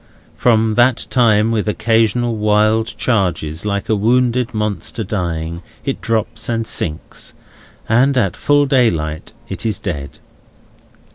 From that time, with occasional wild charges, like a wounded monster dying, it drops and sinks; and at full daylight it is dead.